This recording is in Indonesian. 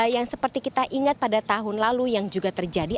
yang seperti kita ingat pada tahun lalu yang juga terjadi